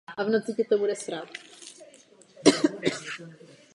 Působí v Pardubicích.